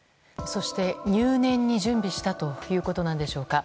そして、入念に準備したということなのでしょうか。